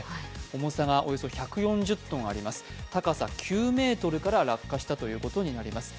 重さがおよそ１４０ｔあります、高さ９ｍから落下したということになります。